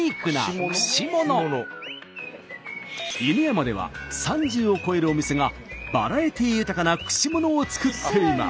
犬山では３０を超えるお店がバラエティー豊かな串物を作っています。